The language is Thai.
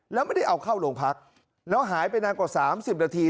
แล้วไม่ได้เอาเข้าโรงพักแล้วหายไปนานกว่า๓๐นาที